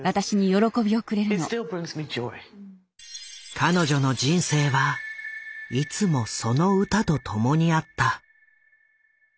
彼女の人生はいつもその歌と共にあった。